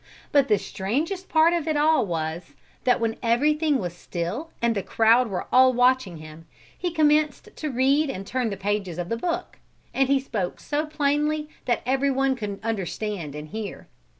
But the strangest part of it all was, that when everything was still and the crowd were all watching him, he commenced to read and turn the pages of the book, and he spoke so plainly that everyone could understand and hear.